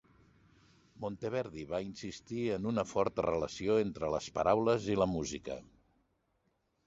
Monteverdi va insistir en una forta relació entre les paraules i la música.